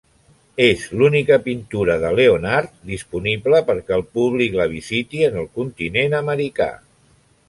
És l'única pintura de Leonardo disponible perquè el públic la visiti en el continent americà.